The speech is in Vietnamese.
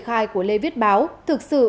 khai của lê viết báo thực sự